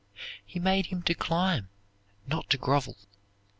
He made him to climb, not to grovel.